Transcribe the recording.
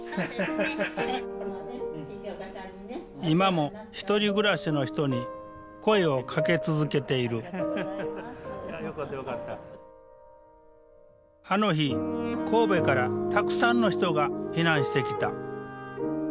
今も１人暮らしの人に声をかけ続けているあの日神戸からたくさんの人が避難してきた。